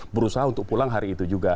berusaha untuk pulang hari itu juga